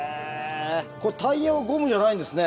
これタイヤはゴムじゃないんですね。